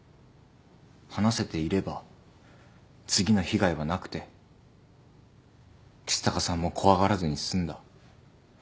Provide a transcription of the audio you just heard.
話せていれば次の被害はなくて橘高さんも怖がらずに済んだ。